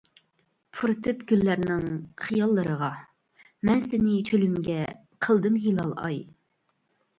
پۇرىتىپ گۈللەرنىڭ خىياللىرىغا، مەن سېنى چۆلۈمگە قىلدىم ھىلال ئاي.